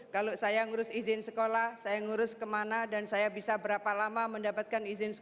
kalau saya ngurus izin sekolah saya ngurus kemana dan saya bisa berapa lama mendapatkan izin sekolah